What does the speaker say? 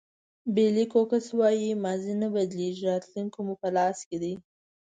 بېلي کوکس وایي ماضي نه بدلېږي راتلونکی مو په لاس دی.